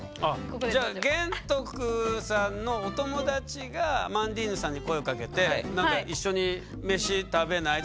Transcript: じゃあ玄徳さんのお友達がアマンディーヌさんに声をかけて「一緒に飯食べない？」